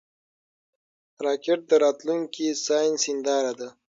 راکټ د راتلونکي ساینس هنداره ده